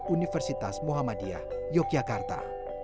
universitas muhammadiyah yogyakarta